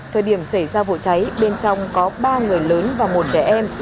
thời điểm xảy ra vụ cháy bên trong có ba người lớn và một trẻ em